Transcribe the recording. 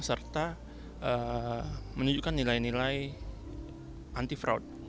serta menunjukkan nilai nilai anti fraud